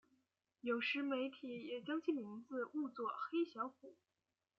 有时媒体也将其名字误作黑小虎。